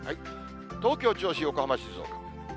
東京、銚子、横浜、静岡。